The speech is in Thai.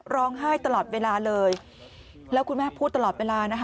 ร้องไห้ตลอดเวลาเลยแล้วคุณแม่พูดตลอดเวลานะคะ